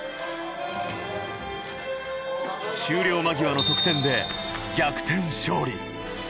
終了間際の得点で逆転勝利。